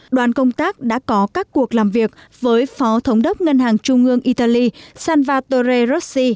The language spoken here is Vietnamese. đoàn công tác đã có các cuộc làm việc với phó thống đốc ngân hàng trung ương italy sanvatorre rossi